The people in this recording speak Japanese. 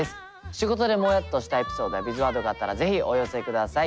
仕事でモヤっとしたエピソードやビズワードがあったら是非お寄せください。